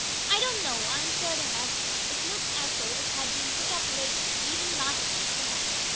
"I don't know," answered her husband. "It looks as though it had been put up lately even last night, perhaps.